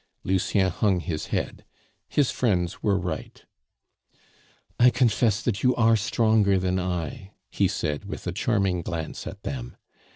Lucien hung his head. His friends were right. "I confess that you are stronger than I," he said, with a charming glance at them.